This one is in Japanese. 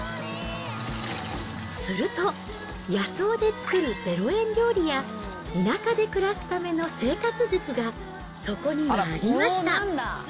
すると、野草で作る０円料理や、田舎で暮らすための生活術がそこにはありました。